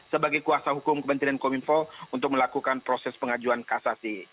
sebagai kuasa hukum kemenkominfo untuk melakukan proses pengajuan kasasi